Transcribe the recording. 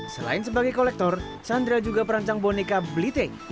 selain sebagai kolektor sandra juga perancang boneka bliting